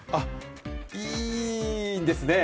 いいですね。